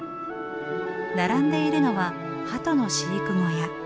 並んでいるのはハトの飼育小屋。